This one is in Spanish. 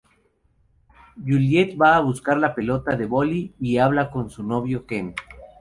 Juliette va a buscar la pelota de voley y habla con su novio Ken.